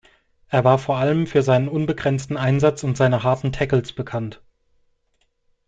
Er war vor allem für seinen unbegrenzten Einsatz und seine harten Tackles bekannt.